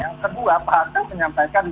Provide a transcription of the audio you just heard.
yang kedua pak harta menyampaikan